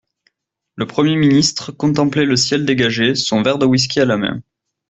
Le premier ministre contemplait le ciel dégagé, son verre de whisky à la main.